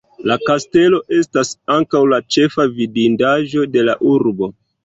La kastelo estas ankaŭ la ĉefa vidindaĵo de la urbo.